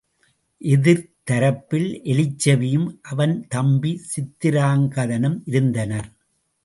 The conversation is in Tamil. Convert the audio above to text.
எதிர்த்தரப்பில் எலிச் செவியும் அவன் தம்பி சித்திராங்கதனும் இருந்தனர்.